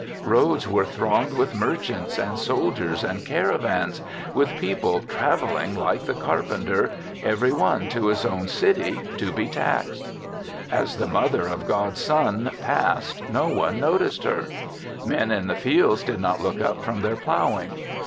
Roads were thronged with merchants and soldiers and car avans — ^with people traveling like the carpenter, every one to his own city. 28 THE SEVENTH CHRISTMAS to be taxed. As the mother of God's son passed, no one noticed hen Men in the fields did not look up from their ploughing.